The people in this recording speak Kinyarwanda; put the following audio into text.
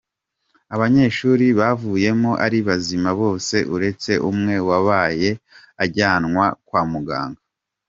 Abanyeshuri bavuyemo ari bazima bose uretse umwe wababaye ajyanwa kwa muganga.